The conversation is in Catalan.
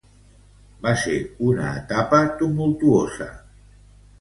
Va ser una etapa tumultuosa.